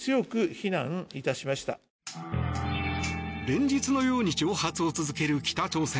連日のように挑発を続ける北朝鮮。